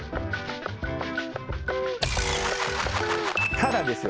ただですよ